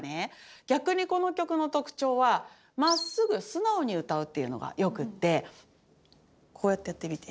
逆にこの曲の特徴はまっすぐ素直に歌うっていうのがよくってこうやってやってみて。